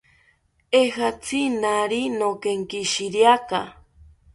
Ejatzi naari nokenkishiriaka